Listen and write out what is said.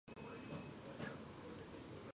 იურის მთები დახრილია დასავლეთისაკენ.